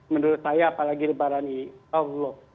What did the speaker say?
menurut saya apalagi lebaran ini allah